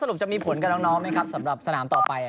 แล้วสรุปจะมีผลกับน้องไหมครับสำหรับสนามต่อไปครับ